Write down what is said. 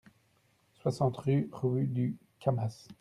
soixante-huit rue du Cammas